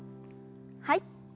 はい。